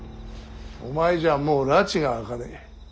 お前じゃもうらちが明かねえ。